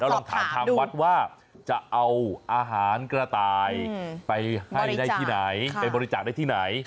ลองถามทางวัดว่าจะเอาอาหารกระต่ายไปให้ได้ที่ไหนไปบริจาคได้ที่ไหน